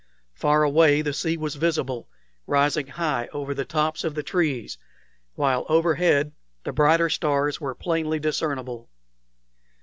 Far away the sea was visible, rising high over the tops of the trees, while overhead the brighter stars were plainly discernible.